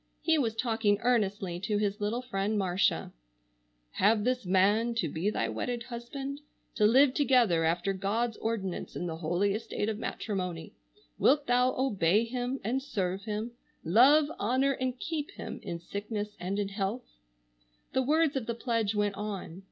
He was talking earnestly to his little friend, Marcia,—"have this man to be thy wedded husband, to live together after God's ordinance in the holy estate of matrimony? Wilt thou obey him, and serve him, love, honor, and keep him, in sickness and in health"—the words of the pledge went on.